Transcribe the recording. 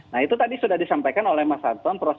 nah itu tadi sudah disampaikan oleh mas anton